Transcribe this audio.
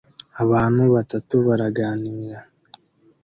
Abantu batatu baraganira